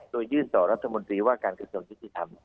โดยยื่นต่อรัฐมนตรีว่าการกระจกศึกธรรม